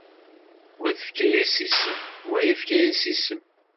Wa tefka-as isem, wa yefka-as isem.